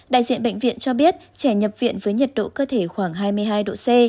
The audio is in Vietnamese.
đại diện bệnh viện cho biết trẻ nhập viện với nhiệt độ cơ thể khoảng hai mươi hai độ c